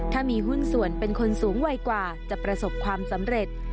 ถ้ามีหุ้นส่วนเป็นคนสูงวัยกว่าจะประสบความสำเร็จ